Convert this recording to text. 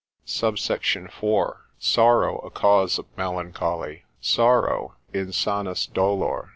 SUBSECT. IV.—Sorrow a Cause of Melancholy. Sorrow. Insanus dolor.